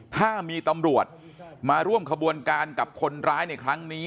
ถ้ามีตำรวจมาร่วมขบวนการกับคนร้ายในครั้งนี้